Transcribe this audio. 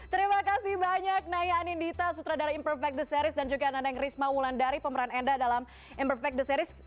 terima kasih banyak naya anindita sutradara imperfect the series dan juga neneng risma wulandari pemeran enda dalam imperfect the series